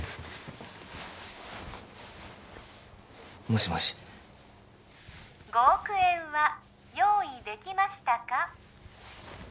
もしもし５億円は用意できましたか？